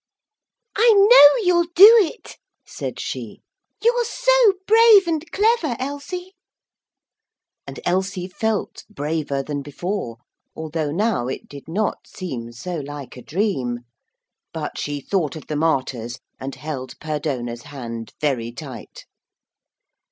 'I know you'll do it,' said she; 'you're so brave and clever, Elsie!' And Elsie felt braver than before, although now it did not seem so like a dream. But she thought of the martyrs, and held Perdona's hand very tight.